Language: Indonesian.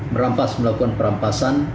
merampas melakukan perampasan